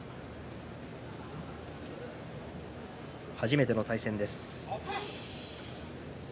初めての対戦です。